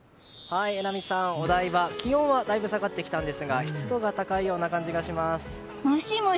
お台場、気温はだいぶ下がってきたんですが湿度が高いような感じがします。